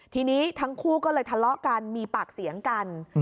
ทีนี้ทั้งคู่ก็เลยทะเลาะกันมีปากเสียงกัน